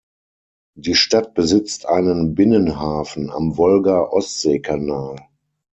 Die Stadt besitzt einen Binnenhafen am Wolga-Ostsee-Kanal.